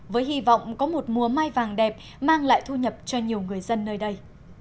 với hy vọng có một mùa mai vàng đẹp mang lại thu nhập cho nhiều người dân nơi đây